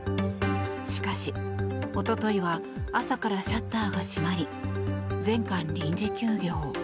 しかし、一昨日は朝からシャッターが閉まり全館臨時休業。